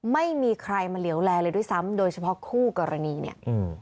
ไม่มีใครมาเหลวแลเลยด้วยซ้ำโดยเฉพาะคู่กรณีเนี่ยอืม